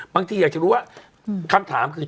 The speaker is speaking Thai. บางทีอยากจะรู้ว่าคำถามคือ